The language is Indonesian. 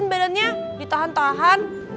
coba diaik beber understand